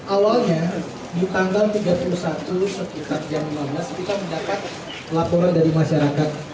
awalnya di tanggal tiga puluh satu sekitar jam lima belas kita mendapat laporan dari masyarakat